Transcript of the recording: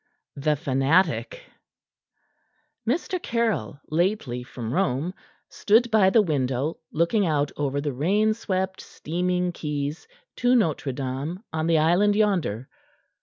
THE FANATIC Mr. Caryll, lately from Rome, stood by the window, looking out over the rainswept, steaming quays to Notre Dame on the island yonder.